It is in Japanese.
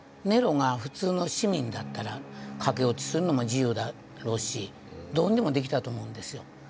ネロが普通の市民だったら駆け落ちするのも自由だろうしどうにでもできたと思うんですよ。